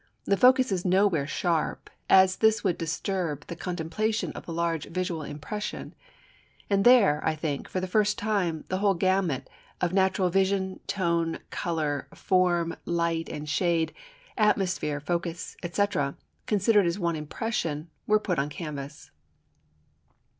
The focus is nowhere sharp, as this would disturb the contemplation of the large visual impression. And there, I think, for the first time, the whole gamut of natural vision, tone, colour, form, light and shade, atmosphere, focus, &c., considered as one impression, were put on canvas.